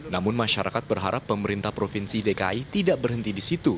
namun masyarakat berharap pemerintah provinsi dki tidak berhenti di situ